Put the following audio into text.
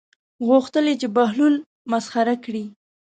غوښتل یې چې بهلول مسخره کړي.